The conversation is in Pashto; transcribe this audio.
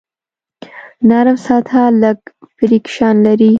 نرم سطحه لږ فریکشن لري.